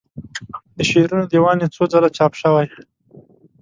د شعرونو دیوان یې څو څو ځله چاپ شوی.